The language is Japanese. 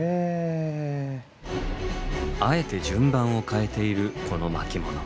あえて順番を変えているこの巻物。